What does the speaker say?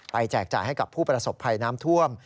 แจกจ่ายให้กับผู้ประสบภัยน้ำท่วม